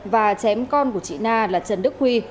và chém con của chị na là trần đức huy